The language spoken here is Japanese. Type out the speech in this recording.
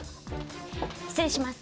失礼します。